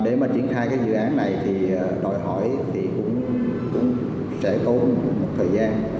để mà triển khai cái dự án này thì đòi hỏi thì cũng sẽ có một thời gian